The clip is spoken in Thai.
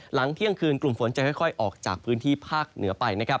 หลังเที่ยงคืนกลุ่มฝนจะค่อยออกจากพื้นที่ภาคเหนือไปนะครับ